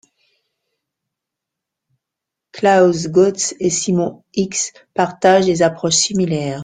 Klaus Goetz et Simon Hix partagent des approches similaires.